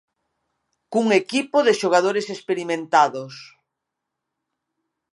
Cun equipo de xogadores experimentados.